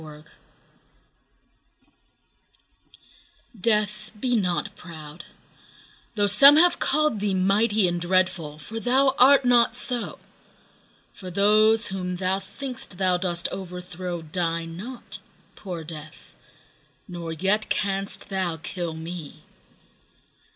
Death DEATH, be not proud, though some have callèd thee Mighty and dreadful, for thou art not so: For those whom thou think'st thou dost overthrow Die not, poor Death; nor yet canst thou kill me.